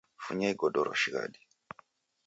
Funya igodoro shighadi.